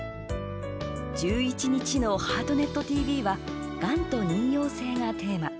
１１日の「ハートネットＴＶ」はがんと妊よう性がテーマ。